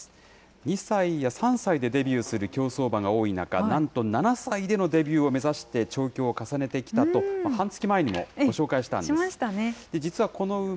２歳や３歳でデビューする競走馬が多い中、なんと７歳でのデビューを目指して調教を重ねてきたと、半月前にしましたね。